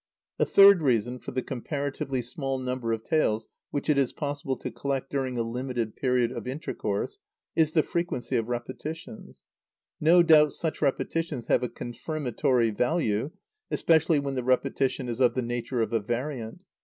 A third reason for the comparatively small number of tales which it is possible to collect during a limited period of intercourse is the frequency of repetitions. No doubt such repetitions have a confirmatory value, especially when the repetition is of the nature of a variant.